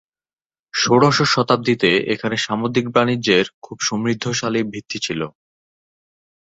ষোড়শ শতাব্দীতে এখানে সামুদ্রিক বাণিজ্যের খুব সমৃদ্ধশালী ভিত্তি ছিল।